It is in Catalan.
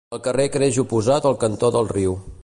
El carrer creix oposat al cantó del riu.